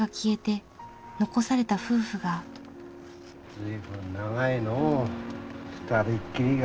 随分長いのう二人きりが。